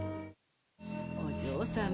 お嬢様？